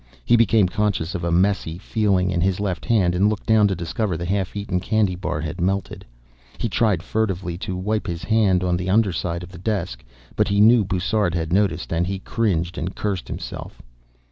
He became conscious of a messy feeling in his left hand, and looked down to discover the half eaten candy bar had melted. He tried furtively to wipe his hand clean on the underside of the desk, but he knew Bussard had noticed, and he cringed and cursed himself.